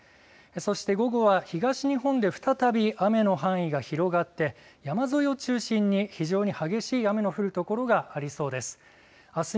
そして午後は、東日本で再び雨の範囲が広がって山沿いを中心に非常に激しい雨の降る所がありそうです。